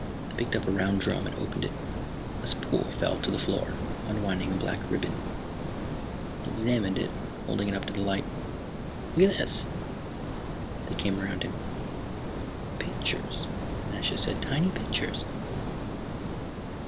He picked up a round drum and opened it. A spool fell to the floor, unwinding a black ribbon. He examined it, holding it up to the light. "Look at this!" They came around him. "Pictures," Nasha said. "Tiny pictures."